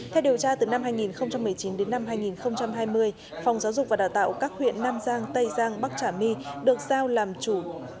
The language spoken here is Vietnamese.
theo điều tra từ năm hai nghìn một mươi chín đến năm hai nghìn hai mươi phòng giáo dục và đào tạo các huyện nam giang tây giang bắc trà my được giao làm chủ